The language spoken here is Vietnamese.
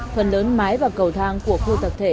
phần lớn mái và cầu thang của khu tập thể